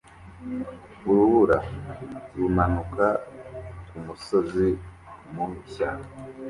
Urubura rumanuka kumusozi mushya